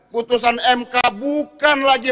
putusan mk bukan lagi